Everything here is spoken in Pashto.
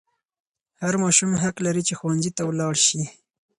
هر ماشوم حق لري چې ښوونځي ته ولاړ شي.